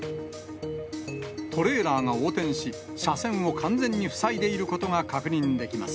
トレーラーが横転し、車線を完全に塞いでいることが確認できます。